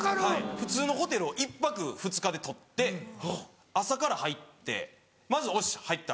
普通のホテルを１泊２日で取って朝から入ってまずよし入った。